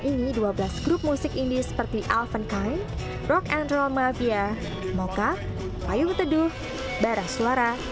ini dua belas grup musik ini seperti alphan kind rock and roll mafia mocha payung teduh barang suara